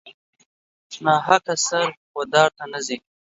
ناحقه سر و دار ته نه ځي.